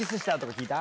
聞いた？